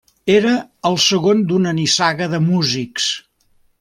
Era el segon d'una nissaga de músics.